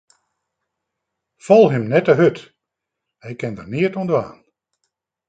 Fal him net hurd, hy kin der neat oan dwaan.